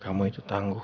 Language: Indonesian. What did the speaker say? kamu itu tangguh